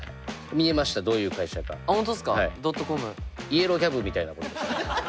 イエローキャブみたいなことです。